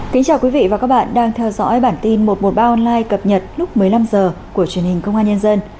kính chào quý vị và các bạn đang theo dõi bản tin một trăm một mươi ba online cập nhật lúc một mươi năm h của truyền hình công an nhân dân